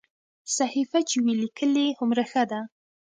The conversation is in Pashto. صحیفه چې وي لیکلې هومره ښه ده.